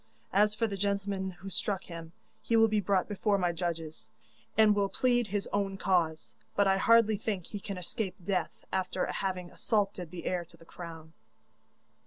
As for the gentleman who struck him, he will be brought before my judges, and will plead his own cause, but I hardly think he can escape death, after having assaulted the heir to the crown.